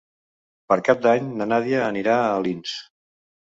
Per Cap d'Any na Nàdia anirà a Alins.